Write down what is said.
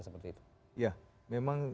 seperti itu ya memang